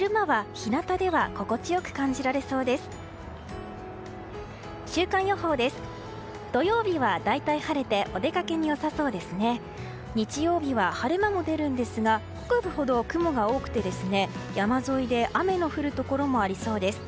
日曜日は晴れ間も出るんですが北部ほど雲が多くて、山沿いで雨が降るところもありそうです。